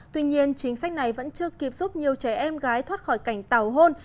tuy nhiên chính sách này vẫn chưa kịp giúp nhiều trẻ em gái thoát khỏi cảnh tàu hôn